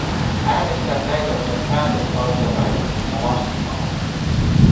Äänestän näin ollen päätöslauselmaesitystä vastaan.